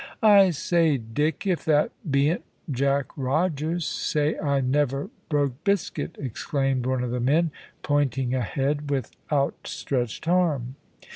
"I say, Dick, if that bean't Jack Rogers, say I never broke biscuit!" exclaimed one of the men, pointing ahead with out stretched arm.